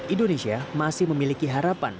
indonesia masih memiliki harapan